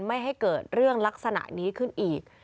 ไม่ให้เกิดเรื่องลักษณะนี้ขึ้นอีก